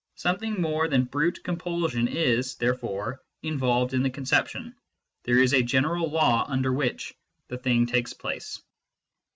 Something more than brute compulsion is, there fore, involved in the conception ; there is a general law under which the thing takes place."